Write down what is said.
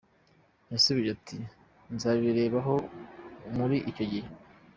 Yasubije ati "Nzabirebaho muri icyo gihe.